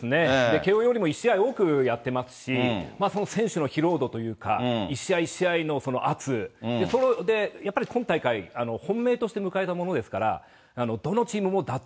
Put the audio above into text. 慶応よりも１試合多くやってますし、その選手の疲労度というか、一試合一試合の圧、やっぱり今大会、本命として迎えたものですから、どのチームも打倒